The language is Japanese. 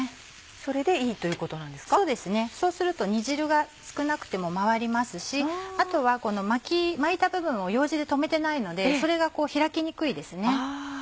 そうですねそうすると煮汁が少なくても回りますしあとは巻いた部分をようじで留めてないのでそれが開きにくいですね。